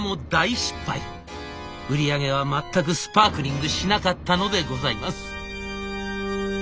売り上げは全くスパークリングしなかったのでございます。